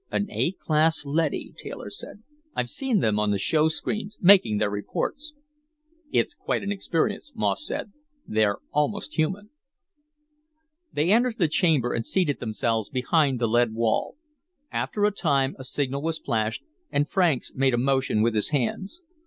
"An A class leady," Taylor said. "I've seen them on the showscreens, making their reports." "It's quite an experience," Moss said. "They're almost human." They entered the chamber and seated themselves behind the lead wall. After a time, a signal was flashed, and Franks made a motion with his hands.